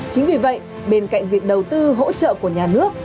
chính vì vậy bên cạnh việc đầu tư hỗ trợ của nhà nước